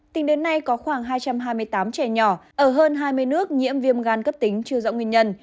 tính đến nay có khoảng hai trăm hai mươi tám trẻ nhỏ ở hơn hai mươi nước nhiễm viêm gan cấp tính chưa rõ nguyên nhân